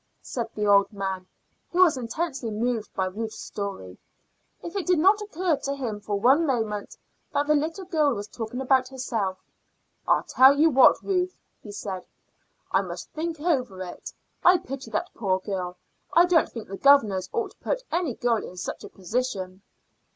said the old man, who was intensely moved by Ruth's story. It did not occur to him for one moment that the little girl was talking about herself. "I tell you what, Ruth," he said; "I must think over it. I pity that poor girl. I don't think the governors ought to put any girl in such a position."